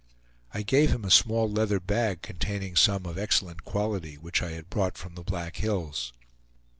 I gave him a small leather bag containing some of excellent quality, which I had brought from the Black Hills.